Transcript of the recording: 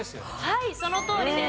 はいそのとおりです。